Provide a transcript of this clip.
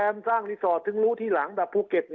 คราวนี้เจ้าหน้าที่ป่าไม้รับรองแนวเนี่ยจะต้องเป็นหนังสือจากอธิบดี